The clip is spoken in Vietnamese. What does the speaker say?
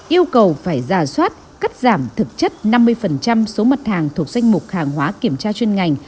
yêu cầu phải giả soát cắt giảm thực chất năm mươi số mặt hàng thuộc danh mục hàng hóa kiểm tra chuyên ngành